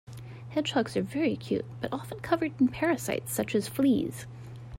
Hedgehogs are very cute but often covered in parasites such as fleas.